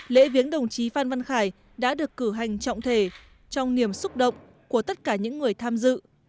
lễ viếng đồng chí phan văn khải đã được cử hành trọng thể trong niềm xúc động của tất cả những người tham dự